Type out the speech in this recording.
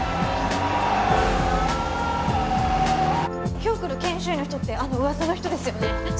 今日来る研修医ってウワサの人ですよね？